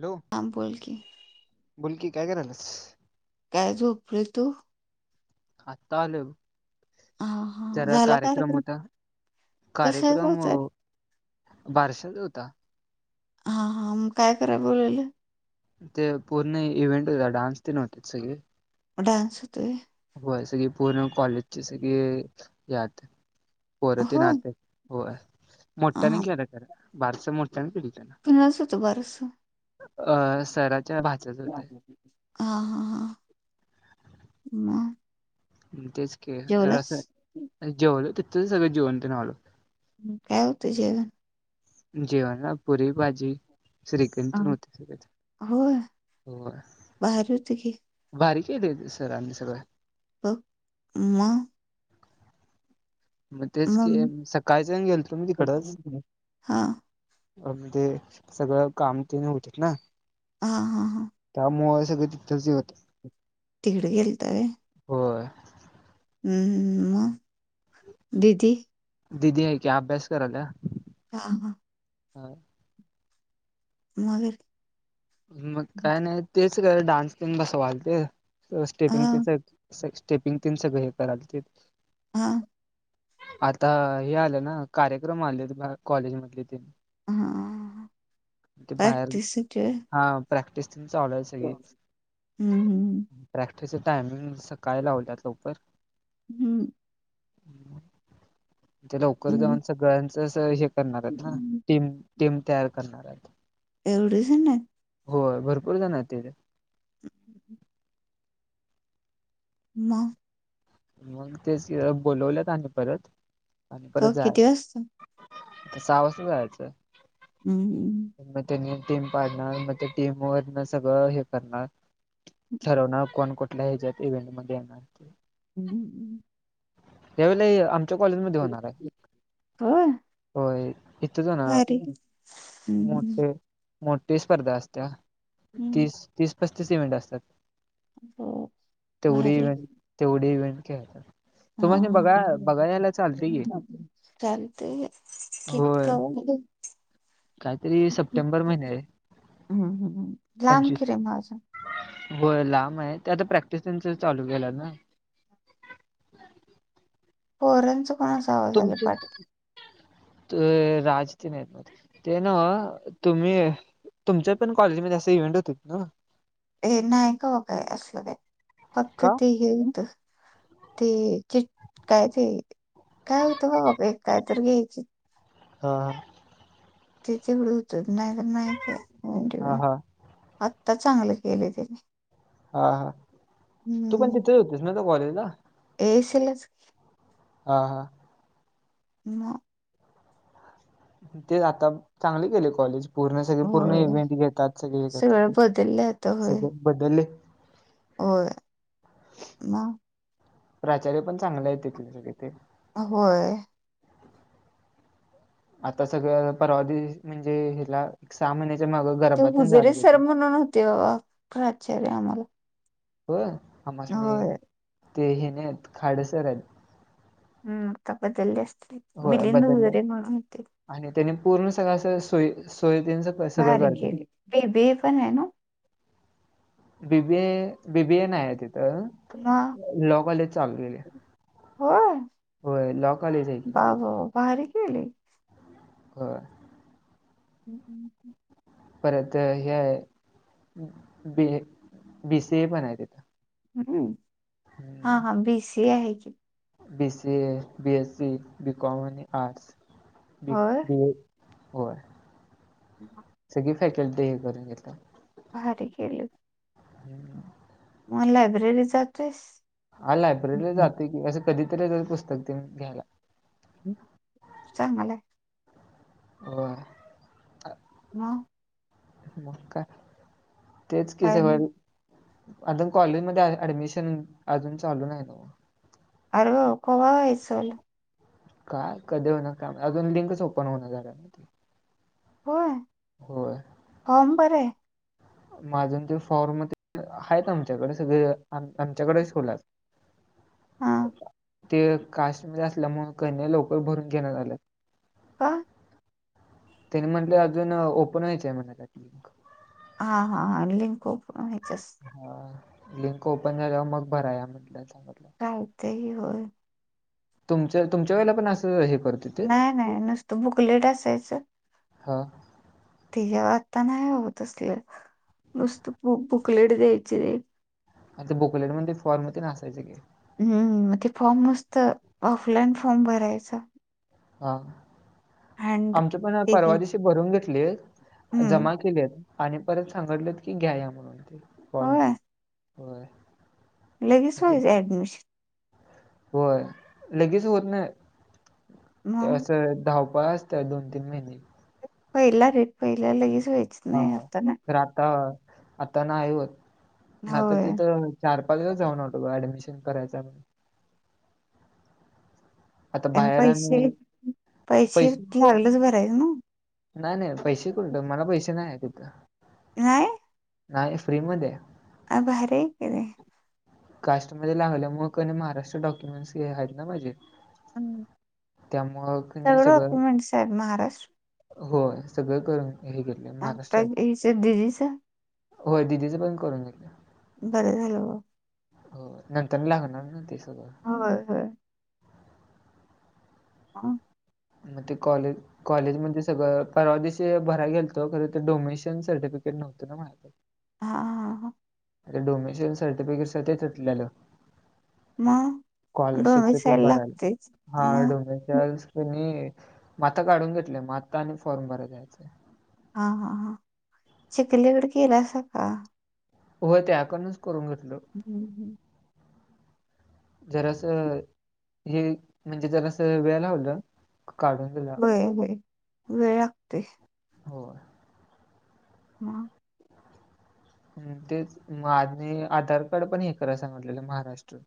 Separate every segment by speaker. Speaker 1: Hello!
Speaker 2: आम बोल की.
Speaker 1: बोलकी काय करालस.
Speaker 2: काय झोपरे तू.
Speaker 1: आता आलो.
Speaker 2: हा हा
Speaker 1: जरा
Speaker 2: झाला
Speaker 1: कार्यक्रम होता
Speaker 2: कशाच
Speaker 1: कार्यक्रम ओ.
Speaker 2: होतात
Speaker 1: बारशाच होता.
Speaker 2: हा हा मग काय करा बोलवलं.
Speaker 1: ते पूर्ण इव्हेंट होता, डान्स तेन व्हते सगळे.
Speaker 2: डान्स होतोय.
Speaker 1: व्हयं सगी पूर्ण कॉलेजची, सगे यात पोर ते
Speaker 2: हो
Speaker 1: नाचंत्यात. होय
Speaker 2: हा
Speaker 1: मोठ्याने केलं, तर बारसं मोठ्यान केल त्यानं.
Speaker 2: फिनास होत बारस.
Speaker 1: अ सराच्या भाच
Speaker 2: हा हा हा म.
Speaker 1: तेच के जर असं जेवल तिथं सगळं जेवण तेंन आलो.
Speaker 2: काय होत जेवण.
Speaker 1: जेवण ना पुरी, भाजी. श्रीखन
Speaker 2: हा
Speaker 1: पण होत. सगळं
Speaker 2: होय
Speaker 1: वा.
Speaker 2: भारी होत की
Speaker 1: भारी केलतं सराणी सगळं.
Speaker 2: प म.
Speaker 1: म तेच कीं
Speaker 2: मम्मी
Speaker 1: सकाळचं न गेल तो न तिकडच.
Speaker 2: हा
Speaker 1: अण ते सगळं काम, तेने होतेत ना.
Speaker 2: हा हां!
Speaker 1: त्यामुळ सगळ तीथचं हे होत.
Speaker 2: तिकड गेलता व्हयं.
Speaker 1: होय.
Speaker 2: म दीदी.
Speaker 1: दिदी आहे कीं अभ्यास कराल्या.
Speaker 2: हा हा!
Speaker 1: हं!
Speaker 2: मगर.
Speaker 1: मग काय नाही, तेच का डान्स तेन बसवायलते
Speaker 2: हा
Speaker 1: स्टेपिंग तेच स्टेपिंग तेंन सगळ हे कराल तेचं.
Speaker 2: हा!
Speaker 1: आता हे आलं ना कार्यक्रम, आलेत कॉलेज मधले तेन.
Speaker 2: हा
Speaker 1: ते बाहेर
Speaker 2: [unintelligible]
Speaker 1: हा. प्रॅक्टिस तेन चालू ए
Speaker 2: व्हय
Speaker 1: सगळीच.
Speaker 2: हम्म
Speaker 1: प्रॅक्टिसचे टाइमिंग सकाळी लावल्यात लवकर.
Speaker 2: हम्म.
Speaker 1: हम्म ते लवकर
Speaker 2: हम्म
Speaker 1: जाऊन सगळ्यांच हे करणार आहेत ना?
Speaker 2: हम्म.
Speaker 1: टीम टीम तयार करणार आहेत.
Speaker 2: एवढे जण?
Speaker 1: होय. भरपूर जण आहेत तिथे.
Speaker 2: ह. हं. हं. मग
Speaker 1: मग ते [unintelligible] बोलवल्यात आणि परत आणि परत
Speaker 2: का
Speaker 1: जा-
Speaker 2: किती वाजता
Speaker 1: त सहा वाजता जायाचं.
Speaker 2: हम्मम
Speaker 1: मग त्यांनी टीम पाडणार. मग ते टीम वर न सगळं हे करणार. ठरवणार. कोण कुठल्या ह्याच्यात इव्हेंट मध्ये येणार ते.
Speaker 2: हम्मम्
Speaker 1: या वेेळेला आमच्या कॉलेज मध्ये होणार आहे.
Speaker 2: होय
Speaker 1: होय. इथ जाणार.
Speaker 2: भारी
Speaker 1: मोठ्ठ
Speaker 2: हम्म.
Speaker 1: - मोठी स्पर्धा असत्या
Speaker 2: हम्म.
Speaker 1: तीस, तीस -पस्तीस इव्हेंट असतात.
Speaker 2: हो
Speaker 1: तेवढी
Speaker 2: भारी
Speaker 1: इवहेंट तेवढी इव्हेंट खेळतात.
Speaker 2: हा
Speaker 1: तुमानी
Speaker 2: हा.
Speaker 1: बघा, बघाय यायला चालत की.
Speaker 2: चालतय कि
Speaker 1: होय
Speaker 2: [unintelligible]
Speaker 1: काहीतरी सप्टेंबर महिना आहे
Speaker 2: हम्म हम्म्. लांब की रे म अजून.
Speaker 1: व्हय. लांब आहे. ते आता प्रॅक्टिस त्यांच चालू केलं ना?
Speaker 2: पोरांचं -
Speaker 1: तुमच, ते राजतेन आहेत मध्ये. ते ना? तुम्ही-तुमच्या पण कॉलेजमध्ये असे इव्हेंट होत्यात ना?
Speaker 2: हे नाही कावा काय असलं काय, फक्त
Speaker 1: का
Speaker 2: ते हे होत. ते च, काय ते? काय होतं बा बा काय तर [unintelligible]
Speaker 1: हा हा.
Speaker 2: ते तेवढं होत. नाही तर नाही काय-
Speaker 1: ह हा.
Speaker 2: आत्ता चांगलं केलय त्यानी.
Speaker 1: हा हा. तू पण तिथेच होतीस ना त्या कॉलेजला?
Speaker 2: येशिलच की -
Speaker 1: ह हा.
Speaker 2: मग -
Speaker 1: ते आता चांगल केलय कॉलेज. पूर्ण सगळे पूर्ण
Speaker 2: होय
Speaker 1: इव्हेंट घेतात. सगळे येतात.
Speaker 2: सगळं बदललं आता होय
Speaker 1: सगळ बदललय.
Speaker 2: होय. म?
Speaker 1: प्राचार्य पण चांगले आहेत तिथले तेे.
Speaker 2: होय.
Speaker 1: आता सगळं परवा दिस, म्हणजे हिला सहा महिन्याच्या माग-
Speaker 2: ते
Speaker 1: गरबा तेन झाला
Speaker 2: हुजरे सर
Speaker 1: तिथं
Speaker 2: म्हणून होते बा प्राचार्य आम्हाला.
Speaker 1: होय? आम्हास्नी
Speaker 2: होय
Speaker 1: ते हे नाही आहेत खाडे सर आहेत.
Speaker 2: हम्. आता बदलले असतील.
Speaker 1: होय.
Speaker 2: मिलिंद
Speaker 1: बदलले.
Speaker 2: वगैरे म्हणून होते
Speaker 1: आणि त्यानी पूर्ण सगळ सोय सोयच-
Speaker 2: भारी केली. बे बे पण आहे ना?
Speaker 1: बी बी ए, बी बी ए न आहे तिथं लॉ कॉलेज चालू केलय.
Speaker 2: हो?
Speaker 1: कॉलेज आहे
Speaker 2: बा
Speaker 1: तिथं.
Speaker 2: बो भारी केलय.
Speaker 1: ह.
Speaker 2: हम्म्.
Speaker 1: परत हे आहे बी. ए. बी सी ए पण आहे तिथं
Speaker 2: हम् हां हां बी सी ए आहे की
Speaker 1: B C A. B S C. BCom आणि आर्ट्स
Speaker 2: होय
Speaker 1: होय.
Speaker 2: ह.
Speaker 1: सगळी फॅसल्टी हे करून घेतलं.
Speaker 2: भारी की केलं.
Speaker 1: हम्म.
Speaker 2: मोहन लायब्ररीत जातोयस.
Speaker 1: हां लायब्ररीला जातो की असं कधीतरी पुस्तक त घ्यायला.
Speaker 2: चांगलाय.
Speaker 1: होय.
Speaker 2: हंं.
Speaker 1: हो काय तेच कि
Speaker 2: काय
Speaker 1: सगळ्या
Speaker 2: नाही.
Speaker 1: वई. अजून कॉलेजमध्ये ऍडमिशन अजून चालू नाही ना.
Speaker 2: आरे बाबा कवा व्हायचं चालू.
Speaker 1: काय कधी हो न का अजून लिंकच ओपन होण झा.
Speaker 2: होय.
Speaker 1: हो.
Speaker 2: फॉर्म भराय.
Speaker 1: माजून ते फॉर्म ते आहेत आमच्याकडे सगळे आमच्याकडेच ठेवल्यात. [unintelligible]
Speaker 2: हां.
Speaker 1: ते कास्ट असल्या म्हणून कन्या लवकरल भरून घेना झाल्यात.
Speaker 2: का?
Speaker 1: त्यांनी म्हटले अजून ओपन व्हायचय म्हणा त्या
Speaker 2: हां हां हां लिंक ओपन ह्याच्याच.
Speaker 1: हा लिंक ओपन झाल्यावर मग भराया म्हटलं सांगलं.
Speaker 2: चालतंयं की होय.
Speaker 1: तुमच्या तुमच्या वेळेला पण असं हे करत. होते
Speaker 2: नाही नाही नुसतं बुक लेट असायचं.
Speaker 1: हा.
Speaker 2: ते ज आता नाही होत असले नुसतं बु बुकलेट द्यायचे.
Speaker 1: आता बुकलेट मध्ये फॉर्म तेन आसायचं की
Speaker 2: हम्म मग ते फॉर्म नुसत ऑफलाईन फॉर्म भरायच.
Speaker 1: हां
Speaker 2: हँड
Speaker 1: आमची पण
Speaker 2: ते
Speaker 1: परवा
Speaker 2: घे
Speaker 1: दिशी भरून घेतली
Speaker 2: हम्म
Speaker 1: जमा केली आहेत. आणि परत सांगितलेत की घ्या या म्हणून तेळ
Speaker 2: होय लगेच व्हायचं ऍडमिशन
Speaker 1: होय लगेच होत नाही.
Speaker 2: मग
Speaker 1: असं धावपळ असत्या दोन तीन महिने
Speaker 2: पहिला रे पहिल्या लगेच व्हायचं.
Speaker 1: हां तर आता आता ना आहे होत नाता
Speaker 2: होय
Speaker 1: तिथं. चार पाच दिवस जाऊन आलो ग ॲडमिशन करायचं. आता बाहेर
Speaker 2: पैसे
Speaker 1: आम्ही
Speaker 2: पैसे लागलंच भरायंच आहे ना.
Speaker 1: नाय नाय पैसे कुठ मला पैसे नाही आहे तिथं.
Speaker 2: नाहीय.
Speaker 1: नाही फ्री मध्ये
Speaker 2: अ बर क र.
Speaker 1: कास्ट मध्ये लागल्यामु क महाराष्ट्र डॉक्युमेंट्स घ आहेत ना माझे
Speaker 2: हम्म.
Speaker 1: त्यामुळं क नी सगळं
Speaker 2: डॉक्युमेंट्स आहेत महाराष्ट्र
Speaker 1: होय सगळं करून हे घे
Speaker 2: आता हिच्या दिदीचा
Speaker 1: होय दिदीचं पण करून घेतले.
Speaker 2: बरं झालं हो.
Speaker 1: हो नंतर लागणार ना ते सगळं.
Speaker 2: होय होय. [unintelligible]
Speaker 1: म ते कॉलेज कॉलेजमध्ये सगळं परवा दिवशी भराय गेलतं खरं तर डोमेशन सर्टिफिकेट नव्हतं ना माझ्याकडे.
Speaker 2: हा हा हा.
Speaker 1: डोमेशल सर्टिफिकेटचा ते तुटलेल्या
Speaker 2: मग दोन्ही
Speaker 1: स्कॉलरशिपचा
Speaker 2: साईड
Speaker 1: तेन भराल
Speaker 2: लागतेच
Speaker 1: हा
Speaker 2: मग
Speaker 1: डोमेशल्स त्यांनी म आता काढून घेतले म आता आणि फॉर्म भरे द्यायचे.
Speaker 2: हा हा हा चिखलीकडे केला असं का?
Speaker 1: होय त्याकणच करून घेतलं.
Speaker 2: हम्म हम्म.
Speaker 1: [unintelligible] जरासा हे म्हणजे जरासा वेळ लावलं काढून घे
Speaker 2: होय होय वेळ लागते.
Speaker 1: हो.
Speaker 2: म
Speaker 1: हम्म तेच माझने आधार कार्ड पण हे करा सांगतलेलं महाराष्ट्र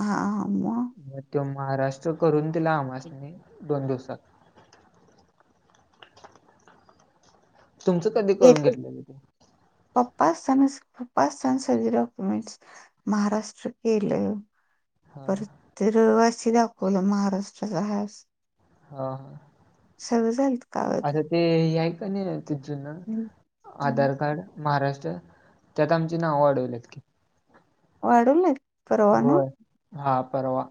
Speaker 2: हा हा म.
Speaker 1: मग तो महाराष्ट्र करून तिला आमस नी दोन दिवसात. तुमचं कधी करून घेतलेले ते?
Speaker 2: [unintelligible] महाराष्ट्र केलं.
Speaker 1: हां,
Speaker 2: परत रहिवासी दाखवलं महाराष्ट्राला आहेस.
Speaker 1: हा हा.
Speaker 2: सगळी झालतं
Speaker 1: अरे ते हे हाय क नाय ते जूनं
Speaker 2: हम्म, हम्म.
Speaker 1: आधार कार्ड? महाराष्ट्र त्यात आमची नावं वाढवलेत की.
Speaker 2: वाढवलेतं
Speaker 1: होय हा परवा.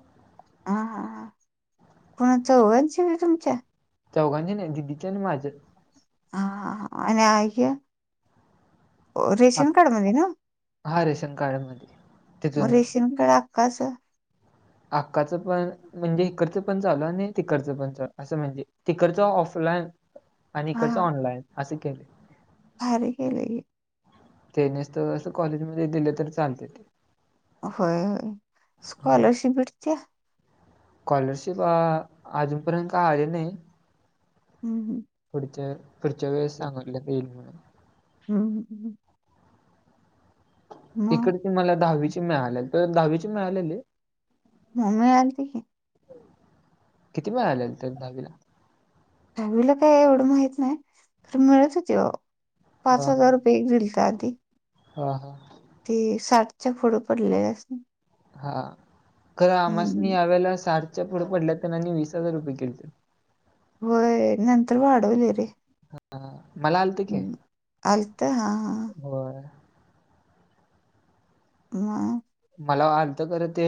Speaker 2: हा हा कोणाचा [unintelligible] आहे तुमच्या?
Speaker 1: चौघांने नाही दिदीचे आणि माझ्या.
Speaker 2: हा हा हा आणि आ हे रेशन कार्ड मध्ये ना?
Speaker 1: हा रेशन कार्डमध्ये. ते
Speaker 2: मग
Speaker 1: जुनं.
Speaker 2: रेशनकार्ड अक्काचा
Speaker 1: अक्काचं पण म्हणजे इकडचं पण चालू आणि तिकडचं पण चा असं म्हणजे तिकडचं ऑफलाईन आणि इकडचं
Speaker 2: हा
Speaker 1: ऑनलाईन असे केले.
Speaker 2: भारी केले की.
Speaker 1: ते नुस्तं असं कॉलेजमध्ये दिले तर चालते ते.
Speaker 2: होय होय स्कॉलरशिप भेटत्या?
Speaker 1: कॉलरशिप अ अजूनपर्यंत आली नाही.
Speaker 2: हम्म हम्म.
Speaker 1: फुढच्या फुढच्या वेळेस सांगलं देईल म्हणून
Speaker 2: हम्म हम्म हम्म. मग
Speaker 1: इकडचे मला दहावीचे मिळाल्या. तर दहावीचे मिळालेले
Speaker 2: मम्मी आणते की.
Speaker 1: किती मिळालेले त्याला दहावीला.
Speaker 2: दहावीला काही एवढ माहित नाही. तर मिळत होती पाच
Speaker 1: हा
Speaker 2: हजार रू पेग दिलता आदी.
Speaker 1: हा हा
Speaker 2: ते साठच्या पुढ पडले अस
Speaker 1: हा खर आमासनी
Speaker 2: हम्म
Speaker 1: यावेळेला साठच्या पुढं पडल्यात त्यांनी वीस हजार रुपये केलते
Speaker 2: व्हय नंतर वाढवले रे.
Speaker 1: हां मला आलत की
Speaker 2: हम्म. आलत हा हा
Speaker 1: होय
Speaker 2: [unintelligible]
Speaker 1: मला आलत खरं. ते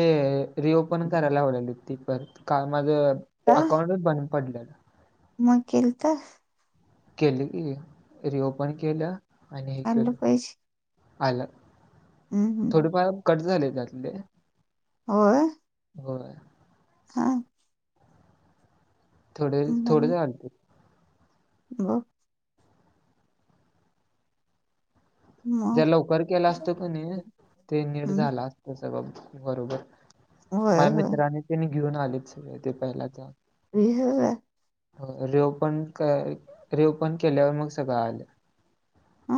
Speaker 1: रिओपन कराय लावल्यालीत ती परत काल माझं
Speaker 2: का
Speaker 1: अकाउंटच बंद पडलय ना.
Speaker 2: मग केलंत?
Speaker 1: केल की. रिओपन केल. आणि हे केल.
Speaker 2: आणलं पैसे
Speaker 1: आल
Speaker 2: हम्म हम्म
Speaker 1: थोडेफार कट झाले त्यातले.
Speaker 2: होय.
Speaker 1: होय.
Speaker 2: [unintelligible]
Speaker 1: थोडे थोडे
Speaker 2: मग
Speaker 1: झालते.
Speaker 2: [unintelligible]
Speaker 1: ज्या
Speaker 2: मग
Speaker 1: लवकर केल असत कि नाही. ते नीट
Speaker 2: हम्म
Speaker 1: झाल असत सगळ बरोबर.
Speaker 2: होय
Speaker 1: माया
Speaker 2: होय
Speaker 1: मित्रानी तेनी घेऊन आलेच. ते पहिलाचा
Speaker 2: [unintelligible]
Speaker 1: होय. रिओपन क रिओपन केल्यावर मग सगळं आल.
Speaker 2: हा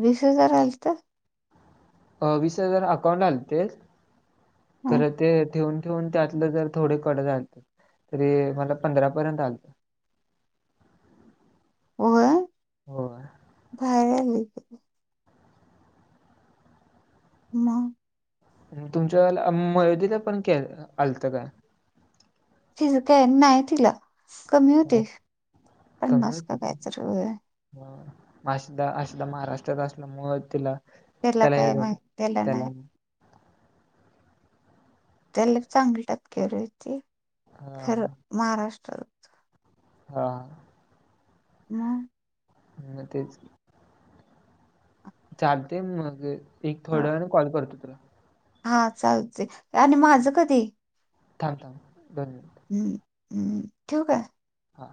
Speaker 2: वीस हजार आलत?
Speaker 1: अ वीस हजार अकाउंट आलतेत
Speaker 2: हं
Speaker 1: खर ते ठेवून ठेवून त्यातल जर थोडे कट झालते. तरी मला पंधरा पर्यंत आलते. होय.
Speaker 2: भाइर आली इथे. मग
Speaker 1: आणि तुमच्या वाल मयोदीला पण केल आलत काय?
Speaker 2: तिज काय नाही तिला कमी
Speaker 1: हा,
Speaker 2: होते. पन्नास का काय तर होय.
Speaker 1: म आसिधा आसिधा महाराष्ट्रात असल्यामुळं तिला त्याला ये
Speaker 2: काय
Speaker 1: झालं
Speaker 2: माहित
Speaker 1: त्याला
Speaker 2: नाही त्याला लई चांगली टक्केवारी होती.
Speaker 1: हा
Speaker 2: खरं महाराष्ट्रात
Speaker 1: हा
Speaker 2: हा
Speaker 1: मग तेच चालतय मग. अ एक
Speaker 2: हा
Speaker 1: थोड्या वेळाने कॉल करतो तुला.
Speaker 2: हा चालतय. आणि माझ कधी?
Speaker 1: थांब थांब दोन मिनट.
Speaker 2: हम्म उम ठेऊ का?
Speaker 1: हा